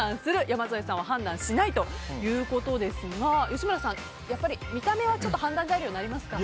山添さんは判断しないということですが吉村さん、やっぱり見た目は判断材料になりますか？